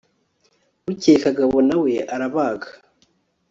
bukeye kagabo nawe arabaga